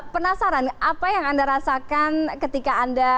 penasaran apa yang anda rasakan ketika anda